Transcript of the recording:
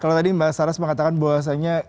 kalau tadi mbak saras mengatakan bahwasannya